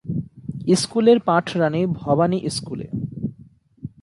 স্কুলে র পাঠ রাণী ভবানী স্কুলে।